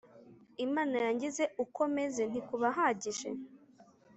Imana yangize Uko meze ntikubahagije